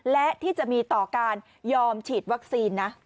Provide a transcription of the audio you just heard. และที่จะมีต่อการยอมฉีดวัคซีนนะ